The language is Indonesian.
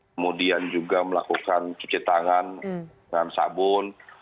kemudian juga melakukan cuci tangan dengan sabun